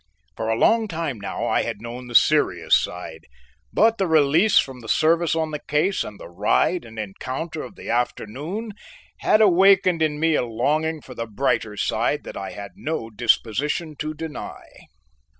For a long time now I had known the serious side, but the release from the service on the case and the ride and encounter of the afternoon had awakened in me a longing for the brighter side that I had no disposition to deny.